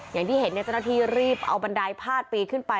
อย่างที่เห็นเจ้าหน้าที่รีบเอาบันไดพาดปีขึ้นไป